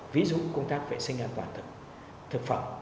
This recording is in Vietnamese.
ví dụ công tác vệ sinh an toàn thực phẩm